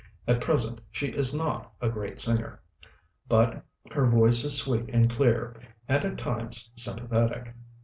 At present she is not a great singer; but her voice is sweet and clear, and at times sympathetic.